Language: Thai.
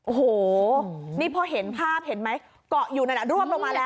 โอ้โหนี่พอเห็นภาพเห็นไหมเกาะอยู่นั่นรวบลงมาแล้ว